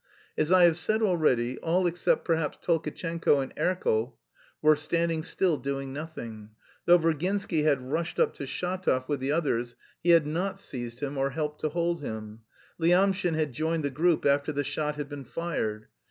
As I have said already, all except perhaps Tolkatchenko and Erkel were standing still doing nothing. Though Virginsky had rushed up to Shatov with the others he had not seized him or helped to hold him. Lyamshin had joined the group after the shot had been fired.